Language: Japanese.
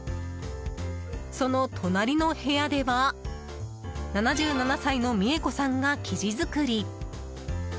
その隣の部屋では７７歳の美恵子さんが生地作り。